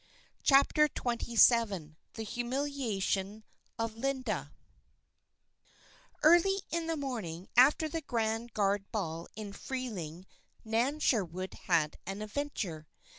CHAPTER XXVII THE HUMILIATION OF LINDA Early in the morning after the Grand Guard Ball in Freeling, Nan Sherwood had an adventure.